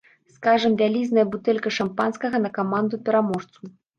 Скажам, вялізная бутэлька шампанскага на каманду-пераможцу.